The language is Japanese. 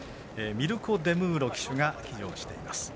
ミルコ・デムーロ騎手が騎乗しています。